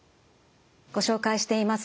ご紹介しています